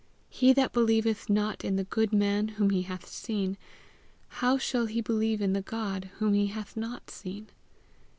He that believeth not in the good man whom he hath seen, how shall he believe in the God whom he hath not seen?